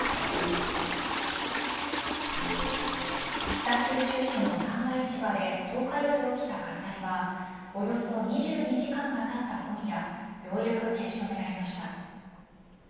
北九州市の旦過市場で１０日夜起きた火災はおよそ２２時間がたった今夜ようやく消し止められました。